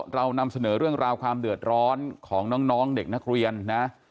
เรานำเสนอเรื่องราวความเดือดร้อนของน้องเด็กนักเรียนนะ